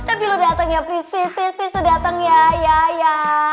tapi lo dateng ya please please please lo dateng ya ya ya